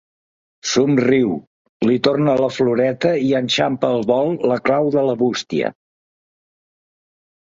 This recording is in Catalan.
Somriu, li torna la floreta i enxampa al vol la clau de la bústia.